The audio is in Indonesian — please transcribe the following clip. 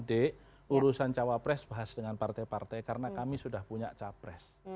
d urusan cawa pres bahas dengan partai partai karena kami sudah punya capres